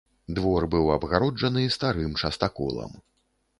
Двор быў абгароджаны старым частаколам.